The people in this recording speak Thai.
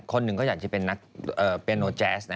คนหนึ่งก็อยากจะเป็นนักเปียโนแจ๊ส